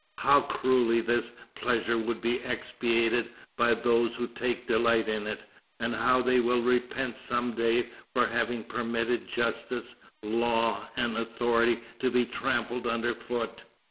how cruelly this pleasure will be expiated by those who take delight in it, and how they will repent some day for having permitted justice, law, and authority to be trampled under foot!